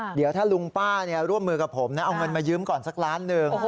เดี๋ยวถ้าลุงป้าร่วมมือกับผมนะเอาเงินมายืมก่อนสักล้านหนึ่ง